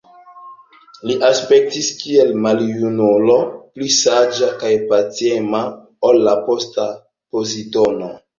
Li aspektis kiel maljunulo, pli saĝa kaj pacema ol la posta Pozidono.